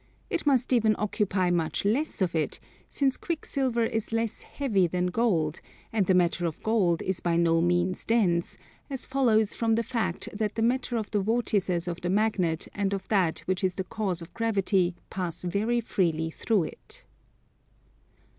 It must even occupy much less of it, since quicksilver is less heavy than gold, and the matter of gold is by no means dense, as follows from the fact that the matter of the vortices of the magnet and of that which is the cause of gravity pass very freely through it.